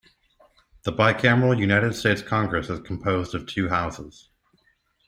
The bicameral United States Congress is composed of two houses.